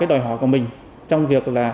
đòi hỏi của mình trong việc